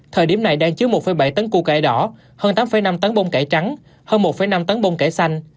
thời điểm này đang chứa một bảy tấn củ cải đỏ hơn tám năm tấn bông cải trắng hơn một năm tấn bông cải xanh